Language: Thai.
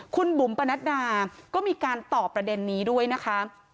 คุณบุ๋มปนัดดาก็มีการตอบประเด็นนี้ด้วยนะคะ